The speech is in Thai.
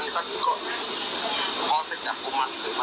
เดี๋ยวหนูจะเอากับน้องเข้ามา